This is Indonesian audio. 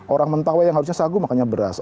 orang mentawa yang harusnya sagu makannya beras